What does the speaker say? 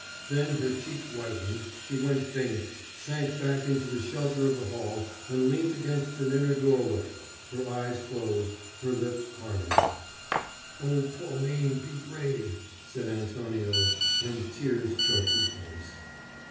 Then her cheeks whitened, she went faint, sank back into the shelter of the hall, and leant against an inner doorway, her eyes closed, her lips parted. "Oh, Pauline, be brave!" said Antonio, and tears choked his voice.